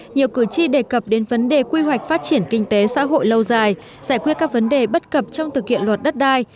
nhiều cử tri đề cập đến vấn đề quy hoạch phát triển kinh tế xã hội lâu dài giải quyết các vấn đề bất cập trong thực hiện luật đất đai